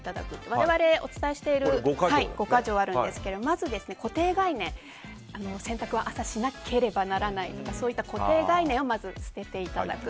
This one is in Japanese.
我々、お伝えしている５か条があるんですがまず、固定概念、洗濯を朝しなければならないとかそういった固定概念をまずは捨てていただく。